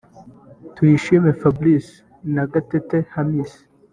Tuyishime Fabrice na Gatete Hamisi